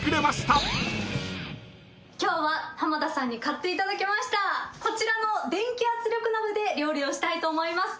今日は浜田さんに買っていただきましたこちらの電気圧力鍋で料理をしたいと思います。